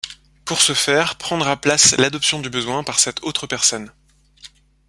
Pour ce faire, prendra place l'adoption du besoin par cette autre personne.